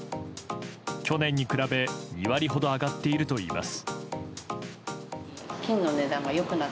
去年に比べ２割ほど上がっているといいます。